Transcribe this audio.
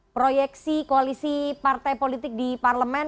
proyeksi koalisi partai politik di parlemen